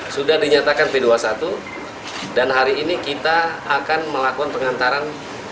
sudah dinyatakan p dua puluh satu dan hari ini kita akan melakukan pengantaran